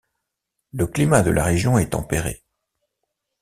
Le climat de la région est tempéré.